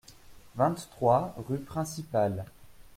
vingt-trois rue Principale